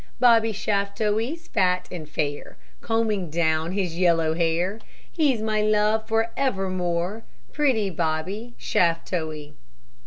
Bobby Shaftoe's fat and fair, Combing down his yellow hair; He's my love for evermore, Pretty Bobby Shaftoe.